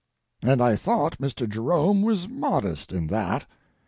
And I thought Mr. Jerome was modest in that.